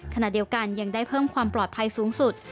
ขณะเดียวกันยังได้เพิ่มความปลอดภัยสูงสุด